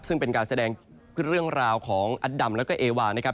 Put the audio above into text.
ซึ่งเป็นการแสดงเรื่องราวของอัตดำแล้วก็เอวานะครับ